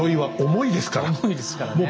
重いですからね。